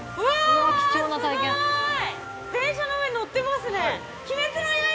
電車の上に乗ってますね。